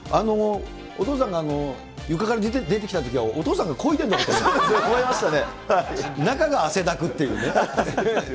お父さんが床から出てきたときは、お父さんがこいでんのかと思いました。